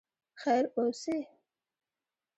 خیر اوسې.